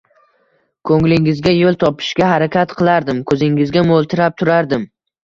Ko`nglingizga yo`l topishga harakat qilardim, ko`zingizga mo`ltirab turardim